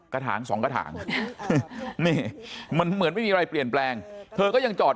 ถางสองกระถางนี่มันเหมือนไม่มีอะไรเปลี่ยนแปลงเธอก็ยังจอด